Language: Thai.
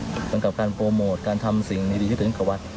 เหมือนกับการโปรโมทการทำสิ่งที่ดีที่เกิดขึ้นกับวัฒน์